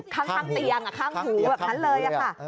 ข้างเตียงข้างหูแบบนั้นเลยค่ะ